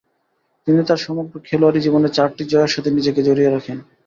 তিনি তার সমগ্র খেলোয়াড়ী জীবনে চারটি জয়ের সাথে নিজেকে জড়িয়ে রাখেন।